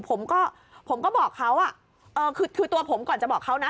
ผมก็บอกเขาคือตัวผมก่อนจะบอกเขานะ